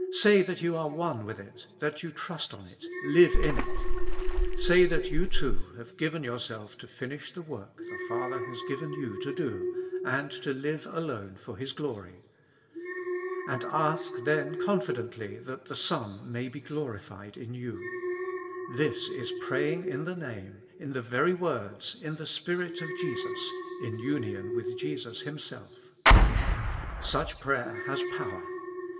Say that you are one with it, that you trust on it, live in it. Say that you too have given yourself to finish the work the Father has given you to do, and to live alone for His glory. And ask then confidently that the Son may be glorified in you. This is praying in the Name, in the very words, in the Spirit of Jesus, in union with Jesus Himself. Such prayer has power.